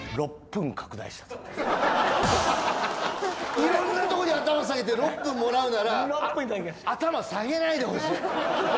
いろんなとこに頭下げて６分もらうなら頭下げないでほしい。